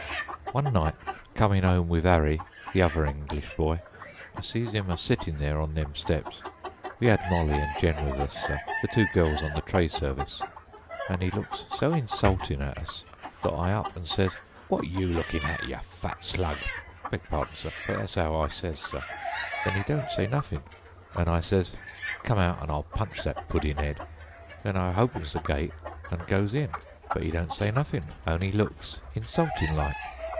"One night a comin' 'ome with Arry, the other English boy, I sees 'im a sittin' there on them steps. We 'ad Molly and Jen with us, sir, the two girls on the tray service, an' 'e looks so insultin' at us that I up and sez: 'Wat you looking hat, you fat slug?' beg pardon, sir, but that's 'ow I sez, sir. Then 'e don't say nothin' and I sez: 'Come out and I'll punch that puddin' 'ed.' Then I hopens the gate an' goes in, but 'e don't say nothin', only looks insultin' like.